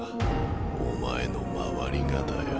お前の周りがだよ。